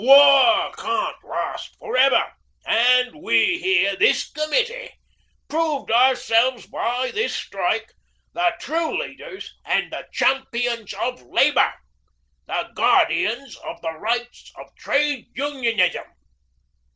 War can't last for ever, and we here, this Committee, proved ourselves by this strike the true leaders and the Champions of Labour, the Guardians of the Rights of Trade Unionism.